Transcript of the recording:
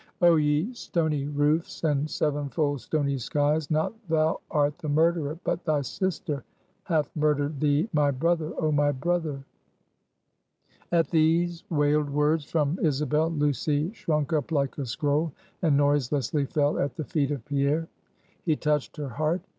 "Oh, ye stony roofs, and seven fold stony skies! not thou art the murderer, but thy sister hath murdered thee, my brother, oh my brother!" At these wailed words from Isabel, Lucy shrunk up like a scroll, and noiselessly fell at the feet of Pierre. He touched her heart.